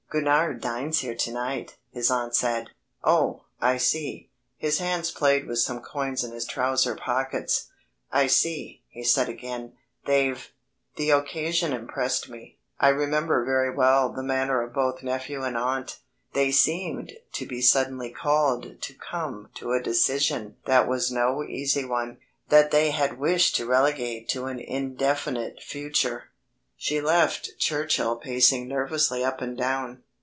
"Gurnard dines here to night," his aunt said. "Oh, I see." His hands played with some coins in his trouser pockets. "I see," he said again, "they've ..." The occasion impressed me. I remember very well the manner of both nephew and aunt. They seemed to be suddenly called to come to a decision that was no easy one, that they had wished to relegate to an indefinite future. She left Churchill pacing nervously up and down.